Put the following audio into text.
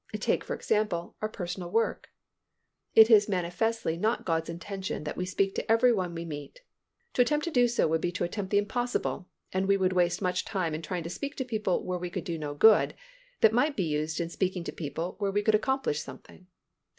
Take, for example, our personal work. It is manifestly not God's intention that we speak to every one we meet. To attempt to do so would be to attempt the impossible, and we would waste much time in trying to speak to people where we could do no good that might be used in speaking to people where we could accomplish something.